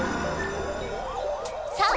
さあ！